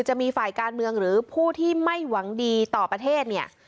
จะมีฝ่ายการเมืองหรือผู้ที่ไม่หวังดีต่อประเทศเนี่ย